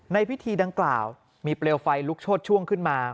ในพิธีดังกล่าวมีเปลวไฟลุกโชดช่วงขึ้นมา